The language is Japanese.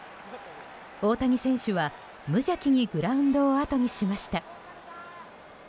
大谷選手は無邪気にグラウンドをあとにしました。